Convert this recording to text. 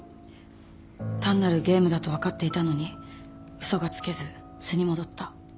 単なるゲームだと分かっていたのに嘘がつけず素に戻った。